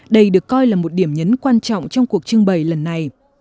đây được coi là một điểm nhấn quan trọng trong cuộc trưng bày lần này